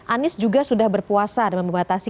anies juga sudah berpuasa dan membatasi